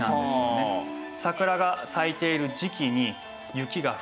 桜が咲いている時期に雪が降る。